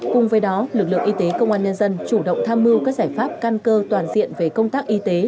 cùng với đó lực lượng y tế công an nhân dân chủ động tham mưu các giải pháp căn cơ toàn diện về công tác y tế